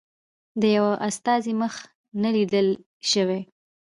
د یوه استازي مخ نه دی لیدل شوی.